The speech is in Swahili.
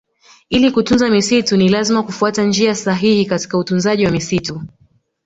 Ili kutunza misitu ni lazima kufuata njia sahihi katika utunzaji wa misitu